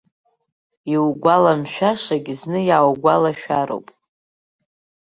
Иугәаламшәашагь зны иааугәалашәароуп.